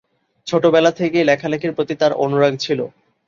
ছোটবেলা থেকেই লেখালেখির প্রতি তার অনুরাগ ছিল।